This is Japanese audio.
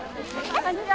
こんにちは！